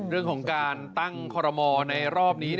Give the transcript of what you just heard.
เรื่องของการตั้งคอรมอลในรอบนี้